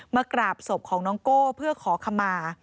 มากราบศพของน้องโก้เพื่อขอขมา